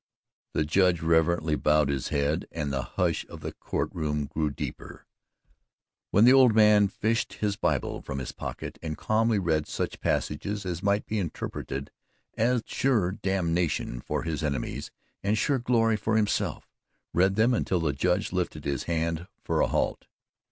The Judge reverently bowed his head and the hush of the Court Room grew deeper when the old man fished his Bible from his pocket and calmly read such passages as might be interpreted as sure damnation for his enemies and sure glory for himself read them until the Judge lifted his hand for a halt.